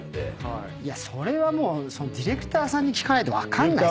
それはもうディレクターさんに聞かないと分かんないっすよ。